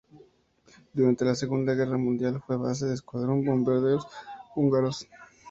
Durante la Segunda Guerra Mundial fue base del escuadrón de bombarderos húngaros.